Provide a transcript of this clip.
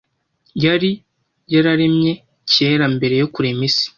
yari yararemye kera mbere yo kurema isi